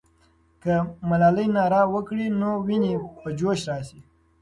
که ملالۍ ناره وکړي، نو ويني به په جوش راسي.